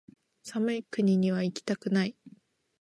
寒い国にはいきたくない